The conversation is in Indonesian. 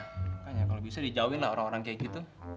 makanya kalo bisa dijauhin lah orang orang kaya gitu